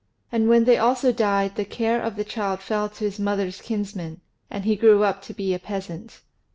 And when they also died, the care of the child fell to his mother's kinsmen, and he grew up to be a peasant.